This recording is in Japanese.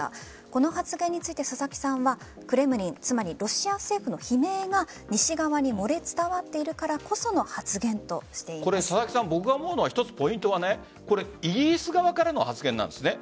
この発言について佐々木さんはクレムリンつまりロシア政府の悲鳴が西側に漏れ伝わっているからこその僕が思うのは一つポイントはイギリス側からの発言なんですね。